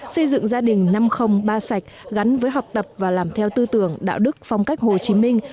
xây dựng gia đình năm trăm linh ba sạch gắn với học tập và làm theo tư tưởng đạo đức phong cách hồ chí minh